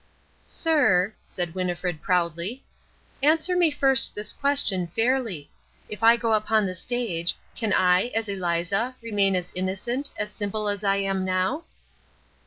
"Sir," said Winnifred proudly, "answer me first this question fairly. If I go upon the stage, can I, as Eliza, remain as innocent, as simple as I am now?"